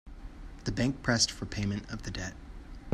The bank pressed for payment of the debt.